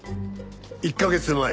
１カ月前。